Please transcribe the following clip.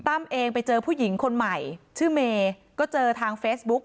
เองไปเจอผู้หญิงคนใหม่ชื่อเมย์ก็เจอทางเฟซบุ๊ก